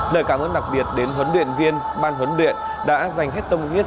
lời cảm ơn đặc biệt đến huấn luyện viên ban huấn luyện đã dành hết tâm huyết